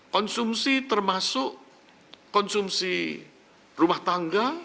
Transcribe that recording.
konsumsi termasuk konsumsi rumah tangga